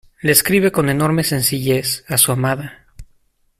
Le escribe con enorme sencillez, a su amada.